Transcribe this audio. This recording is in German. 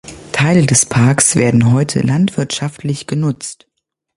Teile des Parks werden heute landwirtschaftlich genutzt.